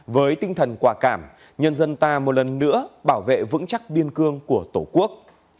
với tinh thần quả cảm nhân dân ta một lần nữa bảo vệ vững chắc biên cương của tổ quốc